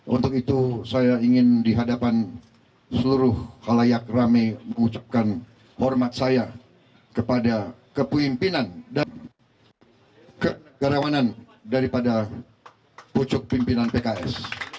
untuk itu saya ingin dihadapan seluruh halayak rame mengucapkan hormat saya kepada kepimpinan dan kegarawanan dari pucuk pimpinan pks